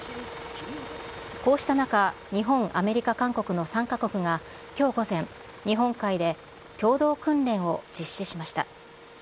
こうした中、日本、アメリカ、韓国の３か国がきょう午前、日本海で共同訓練を実施しました。